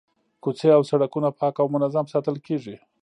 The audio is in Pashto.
کوڅې او سړکونه پاک او منظم ساتل کیږي.